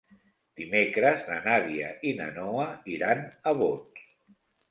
Dimecres na Nàdia i na Noa iran a Bot.